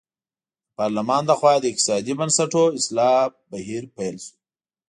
د پارلمان له خوا د اقتصادي بنسټونو اصلاح بهیر پیل شو.